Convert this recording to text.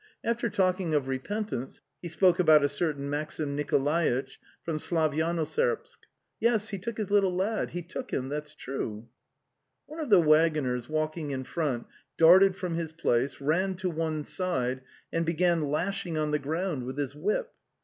After talking of repentance, he spoke about a certain Maxim Nikolaitch from Slavyanoserbsk. "Yes, he took his little lad; ... he took him, thats itrueye ie One of the waggoners walking in front darted from his place, ran to one side and began lashing on the ground with his whip.